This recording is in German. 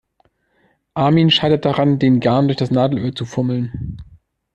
Armin scheitert daran, den Garn durch das Nadelöhr zu fummeln.